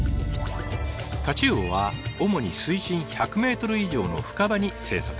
タチウオは主に水深１００ｍ以上の深場に生息。